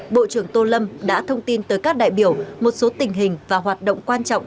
bộ trưởng tô lâm đã thông tin tới các đại biểu một số tình hình và hoạt động quan trọng